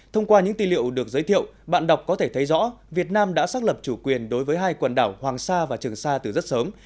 thông qua những tư liệu được giới thiệu bạn đọc có thể thấy rõ việt nam đã xác lập chủ quyền đối với hai quần đảo hoàng sa và trường sa từ rất sớm